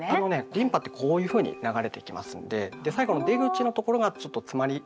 リンパってこういうふうに流れていきますんで最後の出口のところがちょっと詰まりやすいんですよね。